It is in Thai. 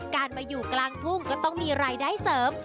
การมาอยู่กลางทุ่งก็ต้องมีรายได้เสริม